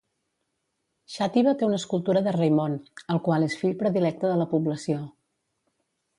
Xàtiva té una escultura de Raimon, el qual és fill predilecte de la població.